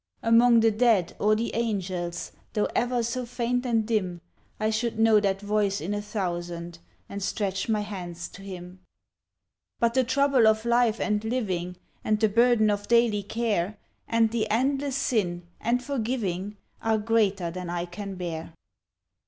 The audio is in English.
Among the dead or the angels Though ever so faint and dim, I should know that voice in a thousand, And stretch my hands to him. But the trouble of life and living, And the burden of daily care, And the endless sin, and forgiving, Are greater than I can bear.